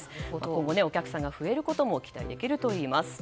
今後、お客さんが増えることも期待できるといいます。